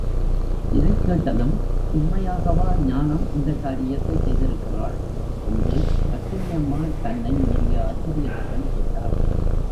இதைக் கேட்டதும், உண்மையாகவா ஞானம் இந்தக் காரியத்தைச் செய்திருக்கிறாள்? என்று லட்சுமி அம்மாள் தன்னை மீறிய ஆச்சரியத்துடன் கேட்டாள்.